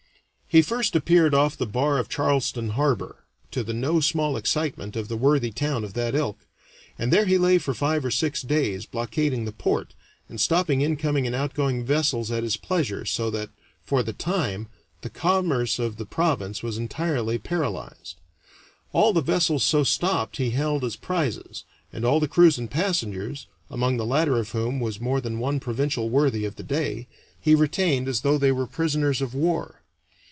He first appeared off the bar of Charleston Harbor, to the no small excitement of the worthy town of that ilk, and there he lay for five or six days, blockading the port, and stopping incoming and outgoing vessels at his pleasure, so that, for the time, the commerce of the province was entirely paralyzed. All the vessels so stopped he held as prizes, and all the crews and passengers (among the latter of whom was more than one provincial worthy of the day) he retained as though they were prisoners of war.